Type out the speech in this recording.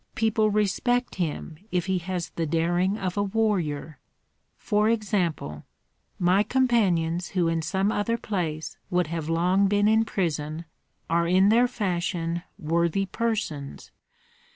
People respect him if he has the daring of a warrior. For example, my companions who in some other place would have long been in prison are in their fashion worthy persons.